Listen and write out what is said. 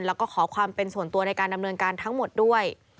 แล้วก็ขอความเป็นส่วนตัวในการดำเนินการทั้งหมดด้วย